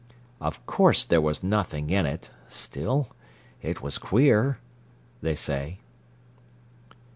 "Of course there was nothing in it—still it was queer!" they say.